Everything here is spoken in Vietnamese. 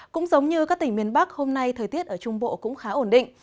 cũng giống như các tỉnh miền bắc hôm nay thời tiết ở trung bộ cũng khá ổn định